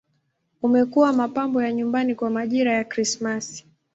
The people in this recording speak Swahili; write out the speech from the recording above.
Umekuwa mapambo ya nyumbani kwa majira ya Krismasi.